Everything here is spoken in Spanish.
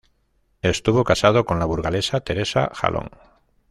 Estuvo casado con la burgalesa Teresa Jalón.